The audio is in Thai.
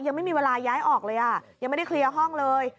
ยังไม่มีเวลาย้ายออกเลยอ่ะยังไม่ได้เคลียร์ห้องเลย